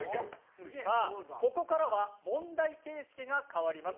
ここからは問題形式が変わります。